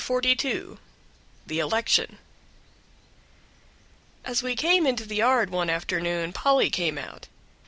42 The Election As we came into the yard one afternoon Polly came out.